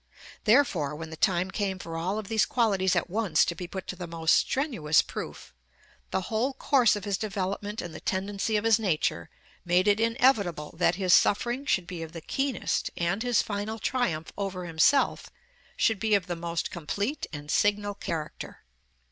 Therefore when the time came for all of these qualities at once to be put to the most strenuous proof, the whole course of his development and the tendency of his nature made it inevitable that his suffering should be of the keenest and his final triumph over himself should be of the most complete and signal character.